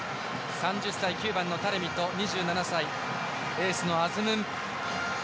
３０歳、９番のタレミと２７歳、エースのアズムン。